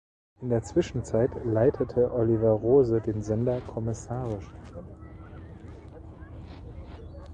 In der Zwischenzeit leitete Oliver Rose den Sender kommissarisch.